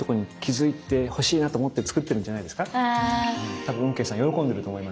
多分運慶さん喜んでると思いますよね。